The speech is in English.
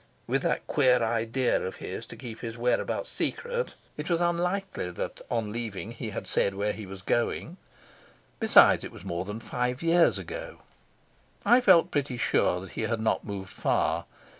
With that queer idea of his to keep his whereabouts secret, it was unlikely that, on leaving, he had said where he was going. Besides, it was more than five years ago. I felt pretty sure that he had not moved far.